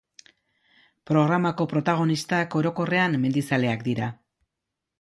Programako protagonistak, orokorrean, mendizaleak dira.